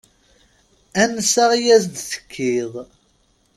Ansa i as-d-tekkiḍ.